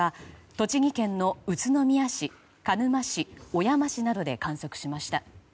栃木県の宇都宮市鹿沼市、小山市などで観測しました。